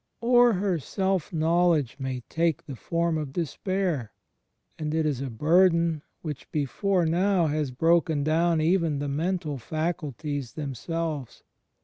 Or her self knowledge may take the form of despair; and it is a burden which before now has broken down even the mental faculties themselves.